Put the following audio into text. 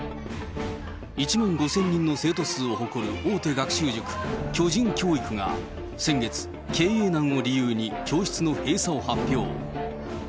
１万５０００人の生徒数を誇る大手学習塾、巨人教育が先月、経営難を理由に教室の閉鎖を発表。